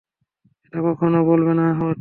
এটা কক্ষনো বলবে না, টনি।